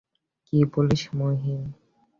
কী বলিস, মহিন।